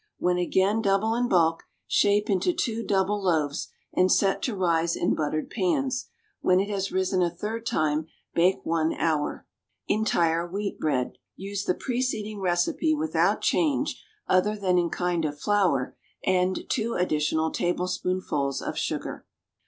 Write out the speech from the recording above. When again double in bulk, shape into two double loaves and set to rise in buttered pans; when it has risen a third time, bake one hour. =Entire Wheat Bread.= Use the preceding recipe without change other than in kind of flour and two additional tablespoonfuls of sugar.